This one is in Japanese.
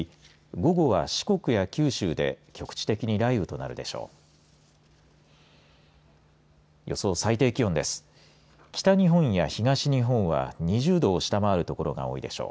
午後は四国や九州で局地的に雷雨となるでしょう。